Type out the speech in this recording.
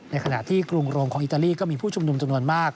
ขณะที่กรุงโรงของอิตาลีก็มีผู้ชุมนุมจำนวนมาก